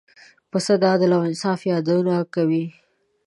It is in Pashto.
پسه د عدل او انصاف یادونه کوي.